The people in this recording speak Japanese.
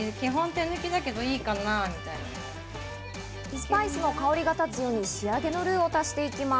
スパイスの香りが立つように仕上げのルウを足していきます。